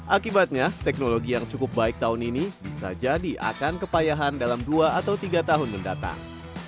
akibatnya teknologi yang cukup baik tahun ini bisa jadi akan kepayahan dalam dua atau tiga tahun mendatang